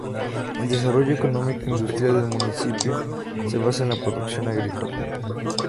El desarrollo económico industrial del municipio se basa en la producción agrícola.